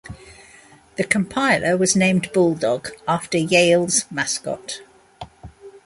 The compiler was named Bulldog, after Yale's mascot.